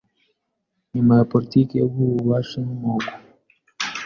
nyuma ya politiki yo guha ububasha inkomoko